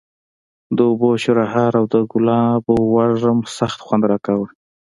د اوبو شرهار او د ګلابو وږم سخت خوند راکاوه.